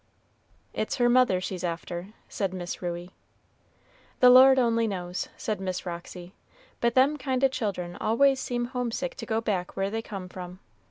"It's her mother she's after," said Miss Ruey. "The Lord only knows," said Miss Roxy; "but them kind o' children always seem homesick to go back where they come from.